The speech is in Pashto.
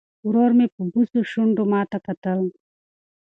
ورور مې په بوڅو شونډو ماته کتل.